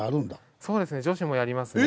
そうですね女子もやりますね。